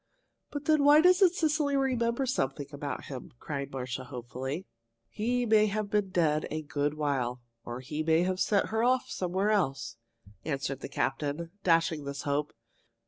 "But then why doesn't Cecily remember something about him?" cried Marcia, hopefully. "He may have been dead a good while, or he may have sent her off somewhere else," answered the captain, dashing this hope.